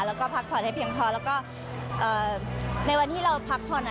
แล้วก็พักผ่อนให้เพียงพอแล้วก็ในวันที่เราพักผ่อน